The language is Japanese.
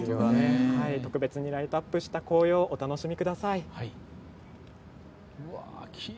特別にライトアップした紅葉お楽しみください。